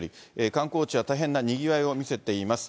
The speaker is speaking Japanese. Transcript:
観光地は大変なにぎわいを見せています。